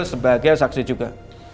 sebagai saksi juga